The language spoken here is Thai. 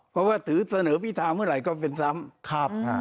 เพราะว่าถือเสนอพิธาเมื่อไหร่ก็เป็นซ้ำ